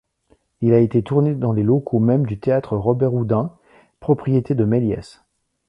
Il a été tourné dans les locaux même du théâtre Robert-Houdin, propriété de Méliès.